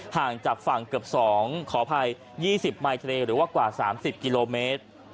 ห่างจากฝั่งเกือบ๒ขออภัย๒๐มายทะเลหรือว่ากว่า๓๐กิโลเมตร